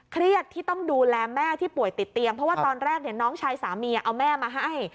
เครียดที่ต้องดูแลแม่ที่ป่วยติดเตียงเพราะว่าตอนแรกน้องชายสามีเอาแม่มาให้